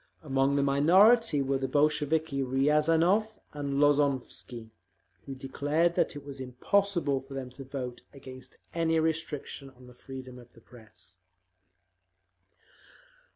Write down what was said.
Among the minority were the Bolsheviki Riazanov and Lozovsky, who declared that it was impossible for them to vote against any restriction on the freedom of the Press.